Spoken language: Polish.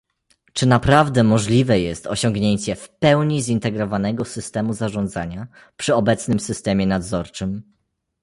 Czy naprawdę możliwe jest osiągnięcie w pełni zintegrowanego systemu zarządzania przy obecnym systemie nadzorczym?